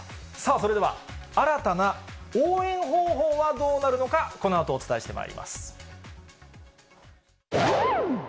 それでは新たな応援方法はどうなるのか、このあとお伝えしてまい